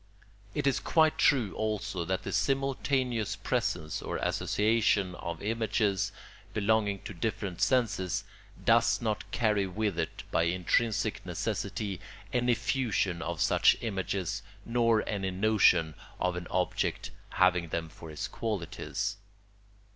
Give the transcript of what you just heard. It is quite true also that the simultaneous presence or association of images belonging to different senses does not carry with it by intrinsic necessity any fusion of such images nor any notion of an object having them for its qualities.